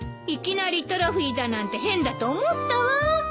いきなりトロフィーだなんて変だと思ったわ。